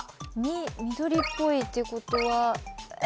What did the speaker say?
緑っぽいっていうことはえ